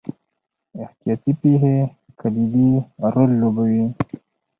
احتیاطي پېښې کلیدي رول لوبوي.